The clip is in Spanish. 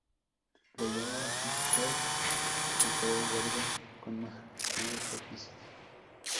La yema apical de color verde con márgenes rojizos.